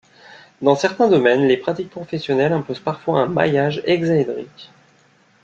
Dans certains domaines, les pratiques professionnelles imposent parfois un maillage hexaédrique.